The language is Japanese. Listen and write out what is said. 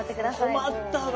困ったわ。